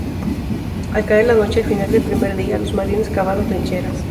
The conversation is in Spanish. Al caer la noche al final del primer día, los marines cavaron trincheras.